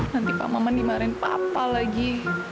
nanti pak maman dimarahin papa lagi